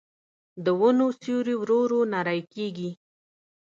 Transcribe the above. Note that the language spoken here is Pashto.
د ونو سیوري ورو ورو نری کېږي